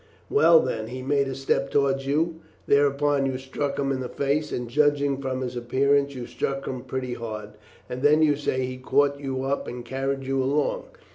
Well, then, he made a step towards you; thereupon you struck him in the face, and judging from his appearance you struck him pretty hard, and then you say he caught you up and carried you along.